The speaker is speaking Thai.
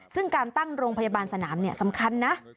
ซึ่งการตั้งโรงพยาบาลสนามสำคัญนะ